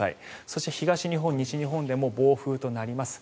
そして東日本、西日本でも暴風となります。